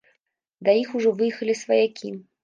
Да іх ужо выехалі сваякі.